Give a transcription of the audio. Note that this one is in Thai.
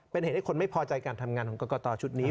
เป็นเหตุให้คนไม่พอใจการทำงานของกรกตชุดนี้